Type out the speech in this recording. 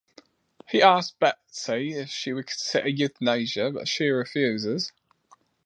He asks Betsy if she would consider euthanasia, but she refuses.